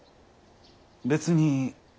別に。